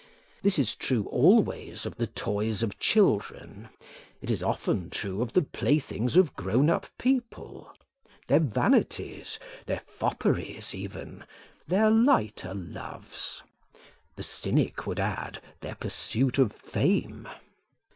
This is true always of the toys of children: it is often true of the playthings of grown up people, their vanities, their fopperies even, their lighter loves; the cynic would add their pursuit of fame.